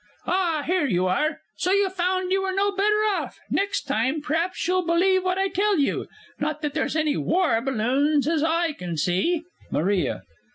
Ah, here you are! So you found you were no better off? Next time, p'raps you'll believe what I tell you. Not that there's any War Balloon as I can see! MARIA.